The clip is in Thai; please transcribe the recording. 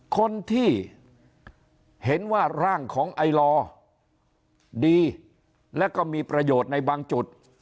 คนที่เห็นว่าร่างของไอลอดีและก็มีประโยชน์ในบางจุด